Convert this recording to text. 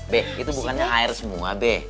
bek itu bukannya air semua bek